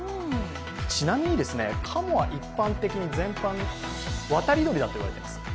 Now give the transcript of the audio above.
ちなみに、カモは一般的に全般、渡り鳥だといわれています。